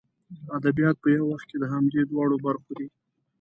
ادبیات په یو وخت کې د همدې دواړو برخو دي.